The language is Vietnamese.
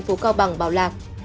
tp cao bằng bảo lạc